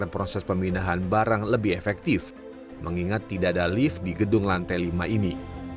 proses pemindahan barang lebih efektif mengingat tidak ada lift di gedung lantai lima ini